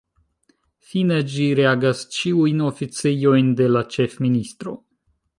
Fine, ĝi regas ĉiujn oficejojn de la ĉefministro.